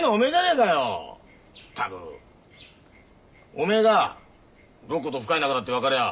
おめえがロッコーと深い仲だって分かりゃ